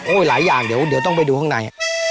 หลายอย่างเดี๋ยวต้องไปดูข้างใน